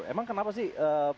emang kenapa sih